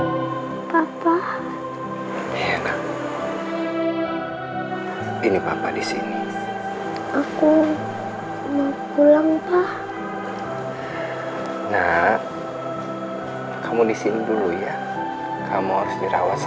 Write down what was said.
hai papa enak ini papa di sini aku mau pulang pak nah kamu di sini dulu ya kamu harus dirawat